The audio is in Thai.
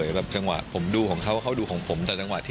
แต่ว่าของมาดูให้เฉย